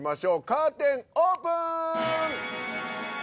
カーテンオープン！